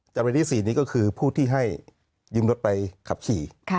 จำเลยที่๔นี้ก็คือผู้ที่ให้ยืมรถไปขับขี่